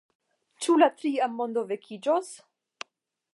Ĉu la Tria Mondo vekiĝos?